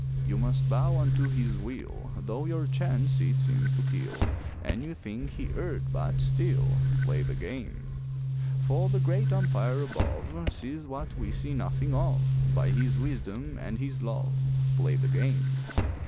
You must bow unto his will Though your chance it seems to kill, And you think he erred, but still Play the game! For the Great Umpire above Sees what we see nothing of, By His wisdom and His love Play the game!